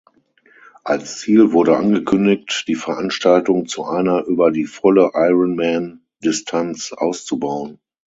Als Ziel wurde angekündigt, die Veranstaltung zu einer über die volle Ironman-Distanz auszubauen.